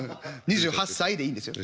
「２８歳」でいいんですよ。